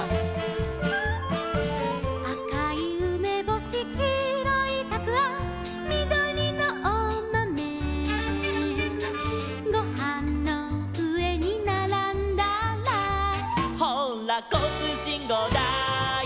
「あかいうめぼし」「きいろいたくあん」「みどりのおまめ」「ごはんのうえにならんだら」「ほうらこうつうしんごうだい」